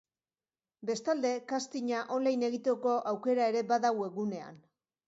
Bestalde, castinga online egiteko aukera ere bada webgunean.